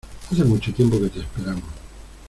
Hace mucho tiempo que te esperamos.